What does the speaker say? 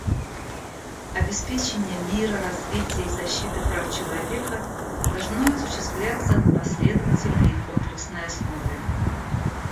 Обеспечение мира, развития и защиты прав человека должно осуществляться на последовательной и комплексной основе.